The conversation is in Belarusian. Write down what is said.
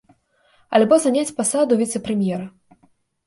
Альбо заняць пасаду віцэ-прэм'ера.